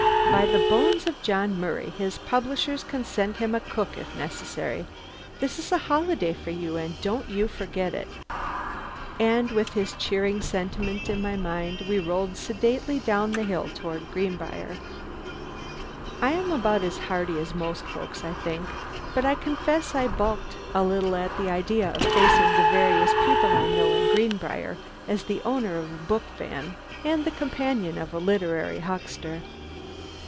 By the bones of John Murray, his publishers can send him a cook if necessary! This is a holiday for you, and don't you forget it." And with this cheering sentiment in my mind, we rolled sedately down the hill toward Greenbriar. I am about as hardy as most folks, I think, but I confess I balked a little at the idea of facing the various people I know in Greenbriar as the owner of a bookvan and the companion of a literary huckster.